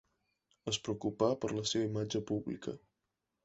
Es preocupà per la seva imatge pública.